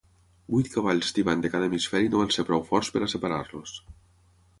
Vuit cavalls tibant de cada hemisferi no van ser prou forts per a separar-los.